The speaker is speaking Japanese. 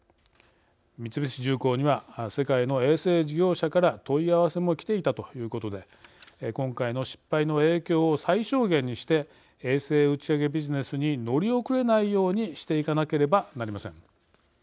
三菱重工には世界の衛星事業者から問い合わせもきていたということで今回の失敗の影響を最小限にして衛星打ち上げビジネスに乗り遅れないようにしていかなければなりません。